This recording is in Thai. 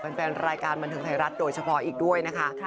แฟนรายการบันเทิงไทยรัฐโดยเฉพาะอีกด้วยนะคะ